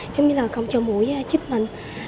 giống như là không cho mũi chích mình